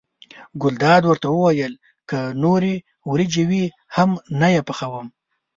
ګلداد ورته وویل که نورې وریجې وي هم نه یې پخوم.